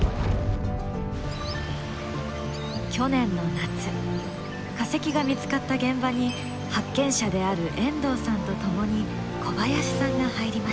去年の夏化石が見つかった現場に発見者である遠藤さんと共に小林さんが入りました。